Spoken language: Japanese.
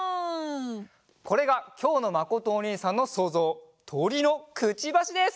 これがきょうのまことおにいさんのそうぞう「とりのくちばし」です！